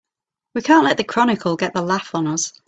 We can't let the Chronicle get the laugh on us!